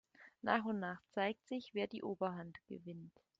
Nach und nach zeigt sich, wer die Oberhand gewinnt.